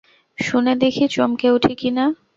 শুনে দেখি চমকে উঠি কি না।